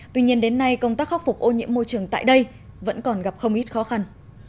tuy nhiên đến nay công tác khắc phục ô nhiễm môi trường tại đây vẫn còn gặp không ít khó khăn